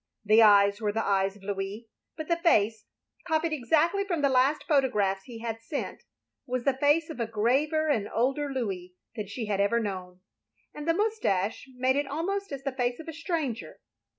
The eyes were the eyes of Louis; but the face, copied exactly from the last photographs he had sent, was the face of a graver and older Louis than she had ever known, and the moustache made it almost as the face of a stranger.